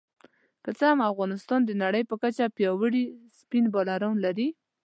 که څه هم افغانستان د نړۍ په کچه پياوړي سپېن بالران لري